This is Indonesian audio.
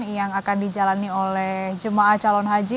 yang akan dijalani oleh jemaah calon haji